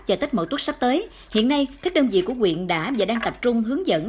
chờ tết mậu tuất sắp tới hiện nay các đơn vị của quyện đã và đang tập trung hướng dẫn